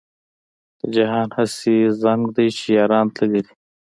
له جهانه هسې زنګ دی چې یاران تللي دي.